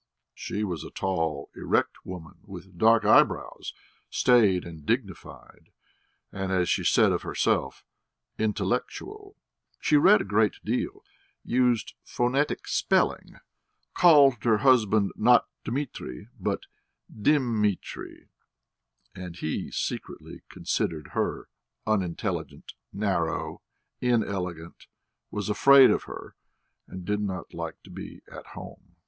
She was a tall, erect woman with dark eyebrows, staid and dignified, and, as she said of herself, intellectual. She read a great deal, used phonetic spelling, called her husband, not Dmitri, but Dimitri, and he secretly considered her unintelligent, narrow, inelegant, was afraid of her, and did not like to be at home.